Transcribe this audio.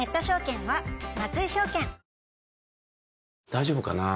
大丈夫かな？